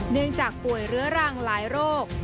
เนื่องจากป่วยเรื้อรังหลายโรค